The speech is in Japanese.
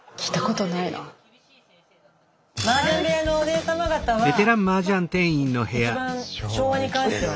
マージャン部屋のお姉様方はまあ一番昭和に関してはね